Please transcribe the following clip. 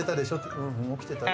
「ううん起きてたよ」